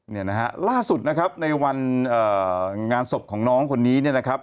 เนี่ยนะฮะล่าสุดนะครับในวันงานศพของน้องคนนี้เนี่ยนะครับ